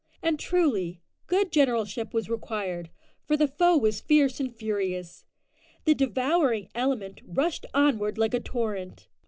And truly, good generalship was required, for the foe was fierce and furious. The "devouring element" rushed onward like a torrent.